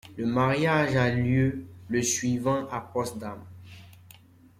Le mariage a lieu le suivant à Potsdam.